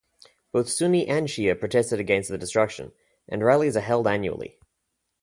Both Sunni and Shia protested against the destruction and rallies are held annually.